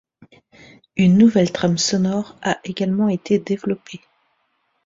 Une nouvelle trame sonore a également été développée.